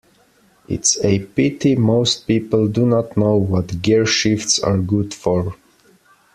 It's a pity most people do not know what gearshifts are good for.